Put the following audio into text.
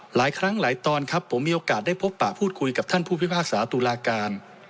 หลายครั้งหลายตอนครับผมมีโอกาสได้พบปะพูดคุยกับท่านผู้พิพากษาตุลาการ